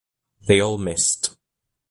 They all missed.